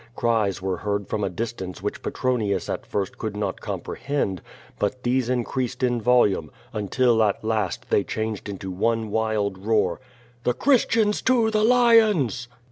Cries were heard from a distance which Petronius at first could not comprehend, but these increased in volume, until, at last, they changed into one wild roar: "The Christians to the lions!"